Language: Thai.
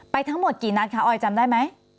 ทั้งหมดกี่นัดคะออยจำได้ไหม